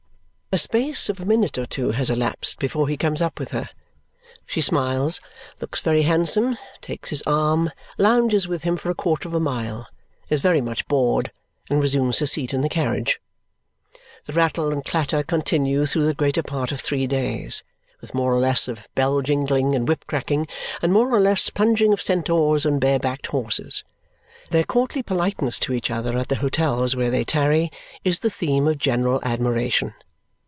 A space of a minute or two has elapsed before he comes up with her. She smiles, looks very handsome, takes his arm, lounges with him for a quarter of a mile, is very much bored, and resumes her seat in the carriage. The rattle and clatter continue through the greater part of three days, with more or less of bell jingling and whip cracking, and more or less plunging of centaurs and bare backed horses. Their courtly politeness to each other at the hotels where they tarry is the theme of general admiration.